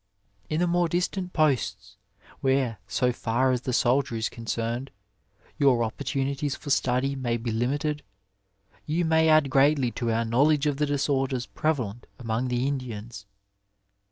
In the more distant posts, where, so far as the soldier is concerned, your opportunities for study may be limited; you may add greatly to our knowledge of the disorders prevalent among the Indians.